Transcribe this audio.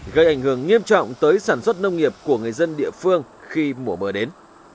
gây ảnh hưởng nghiêm trọng tới sản xuất nông nghiệp của người dân địa phương khi mùa mưa đến